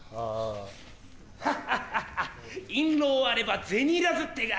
ハハハハ印籠あれば銭いらずってか。